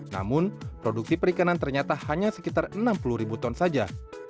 namun produksi perikanan ternyata hanya sekitar enam puluh ribu ton saja